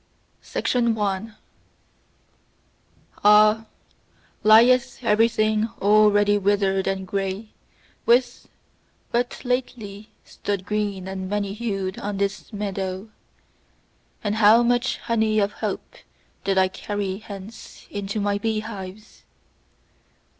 1. Ah, lieth everything already withered and grey which but lately stood green and many hued on this meadow! And how much honey of hope did I carry hence into my beehives!